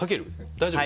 大丈夫？